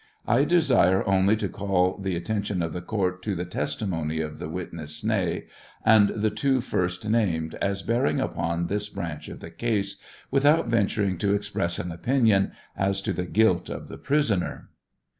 I desire only to call the attention of the court to the testimony of the witness Snee, and the two first named, as bearing upon this branch of the case, without venturing to express an opinion as to the guilt of the prisoner.